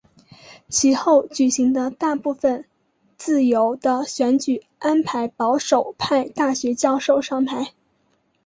其后举行的大部分自由的选举安排保守派大学教授上台。